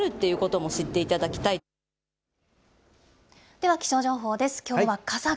では、気象情報です。